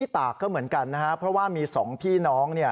ที่ตากก็เหมือนกันนะฮะเพราะว่ามีสองพี่น้อง